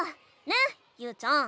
ねゆうちゃん。